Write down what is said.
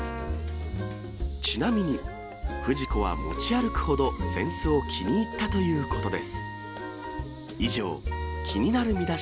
ちなみに、フジコは持ち歩くほど扇子を気に入ったということです。